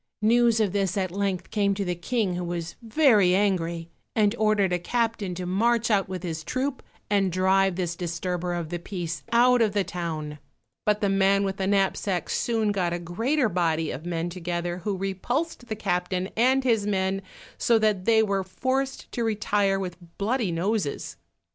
News of this at length came to the King, who was very angry, and ordered a captain to march out with his troop, and drive this disturber of the peace out of the town; but the man with the knapsack soon got a greater body of men together, who repulsed the captain and his men, so that they were forced to retire with bloody noses.